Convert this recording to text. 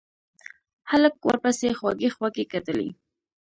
هلک ورپسې خوږې خوږې کتلې.